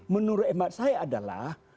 menurut emak saya adalah